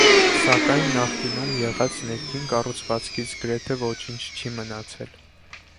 Սակայն նախկինում եղած ներքին կառուցվածքից գրեթե ոչինչ չի մնացել։